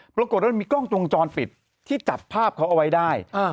ปรากฏว่ามันมีกล้องวงจรปิดที่จับภาพเขาเอาไว้ได้